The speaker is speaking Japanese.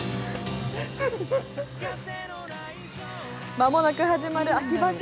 まもなく始まる秋場所。